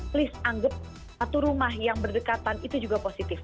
please anggap satu rumah yang berdekatan itu juga positif